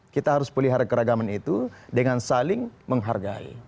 kita harus pelihara keragaman itu dengan saling menghargai